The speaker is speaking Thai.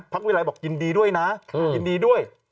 วิรัยบอกยินดีด้วยนะยินดีด้วย